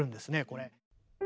これ。